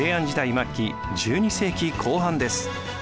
末期１２世紀後半です。